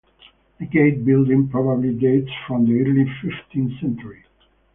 The gate building probably dates from the early fifteenth century.